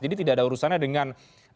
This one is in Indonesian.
jadi tidak ada urusannya dengan